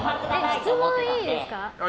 質問いいですか。